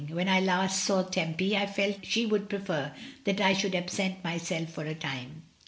When I last saw Tempy, I felt she would prefer that I should absent myself for a time.